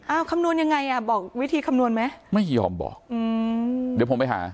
เอาคำนวณยังไงอ่ะบอกวิธีคำนวณไหมไม่ยอมบอกอืมเดี๋ยวผมไปหา